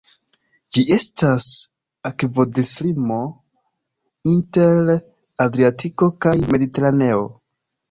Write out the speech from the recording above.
Ĝi estas akvodislimo inter Adriatiko kaj Mediteraneo.